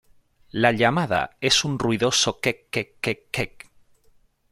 La llamada es un ruidoso `kek-kek-kek-kek`.